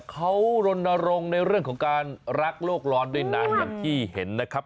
เขารณรงค์ในเรื่องของการรักโลกร้อนได้นานอย่างที่เห็นนะครับ